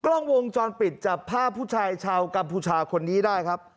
กล้องวงจรปิดจับภาพผู้ชายชาวกัมพูชาคนนี้ได้ครับ